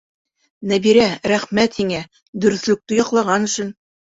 Нәбирә, рәхмәт һиңә, дөрөҫлөктө яҡлаған өсөн!